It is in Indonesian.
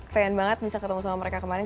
pengen banget bisa ketemu sama mereka kemarin